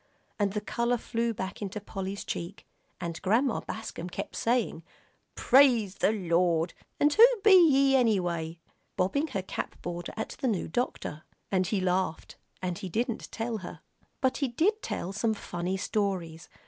And the color flew back into Polly's cheek, and Grandma Bascom kept saying, "Praise the Lord and who be ye, anyway?" bobbing her cap border at the new doctor. And he laughed and didn't tell her. But he did tell some funny stories.